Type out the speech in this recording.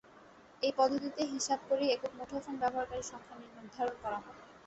এই পদ্ধতিতে হিসাব করেই একক মুঠোফোন ব্যবহারকারীর সংখ্যা নির্ধারণ করা হয়।